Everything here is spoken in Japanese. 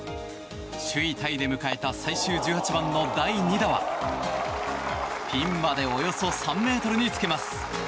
首位タイで迎えた最終１８番の第２打はピンまでおよそ３ｍにつけます。